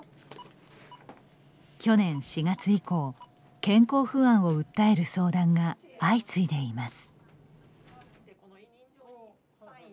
去年４月以降、健康不安を訴える相談が相次いでいます。